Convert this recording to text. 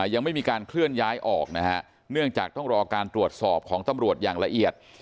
ยังไม่มีการเคลื่อนย้ายออกนะฮะเนื่องจากต้องรอการตรวจสอบของตำรวจอย่างละเอียด